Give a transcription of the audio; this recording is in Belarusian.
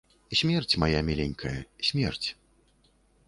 Смерць, мая міленькая, смерць.